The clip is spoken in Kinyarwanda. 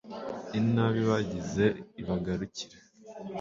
inabi bagize ibagarukire